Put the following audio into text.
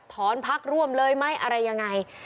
พักร่วมเลยไหมอะไรยังไง